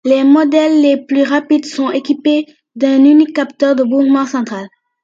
Les modèles les plus rapides sont équipés d'un unique capteur de mouvement central.